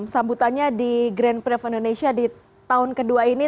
sambutannya di grand prix of indonesia di tahun ke dua ini